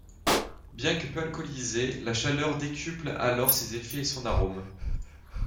Bien que peu alcoolisé, la chaleur décuple alors ses effets et son arôme.